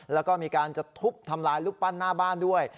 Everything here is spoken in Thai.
แล้วก็มีการจะทุบทำลายรูปปั้นหน้าบ้านด้วย